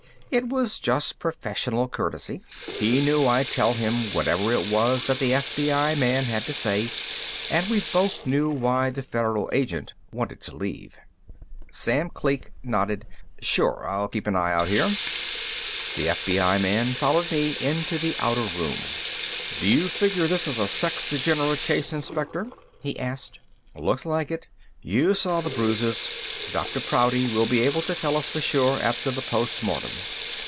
it was just professional courtesy. He knew I'd tell him whatever it was that the FBI man had to say, and we both knew why the Federal agent wanted to leave. Sam Kleek nodded. "Sure. I'll keep an eye out here." The FBI man followed me into the outer room. "Do you figure this as a sex degenerate case, Inspector?" he asked. "Looks like it. You saw the bruises. Dr. Prouty will be able to tell us for sure after the post mortem."